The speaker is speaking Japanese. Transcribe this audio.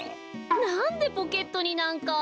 なんでポケットになんか。